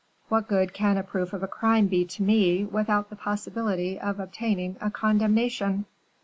What good can a proof of a crime be to me, without the possibility of obtaining a condemnation?"